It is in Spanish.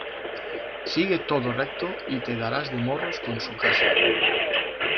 Sigue todo recto y te darás de morros con su casa